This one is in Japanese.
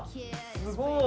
すごい。